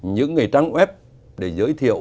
những người trắng web để giới thiệu